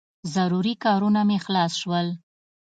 ضروري کارونه مې خلاص شول.